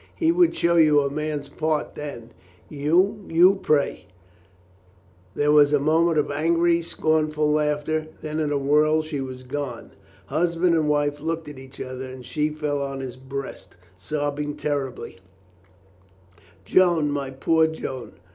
He would show you a man's part then. You — ^you pray !" There was a moment of angry, scorn ful laughter, then in a whirl she was gone. Husband and wife looked at each other and she fell on his breast, sobbing terribly, "Joan — my poor Joan."